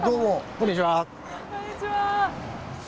こんにちは。